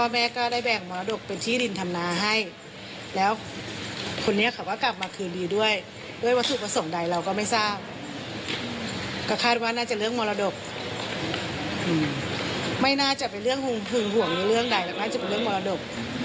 ไม่ถึงห่วงในเรื่องใดน่าจะเป็นเรื่องมรดก